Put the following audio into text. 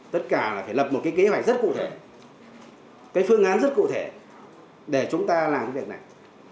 tất cả phải lập một kế hoạch rất cụ thể cái phương án rất cụ thể để chúng ta làm việc này